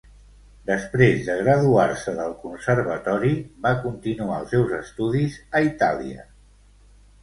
Després de graduar-se del conservatori, va continuar els seus estudis a Itàlia.